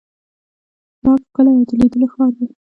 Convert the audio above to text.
پراګ ښکلی او د لیدلو ښار دی.